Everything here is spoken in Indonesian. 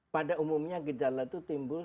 pada umumnya gejala itu timbul